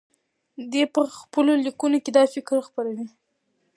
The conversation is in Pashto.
دی په خپلو لیکنو کې دا فکر خپروي.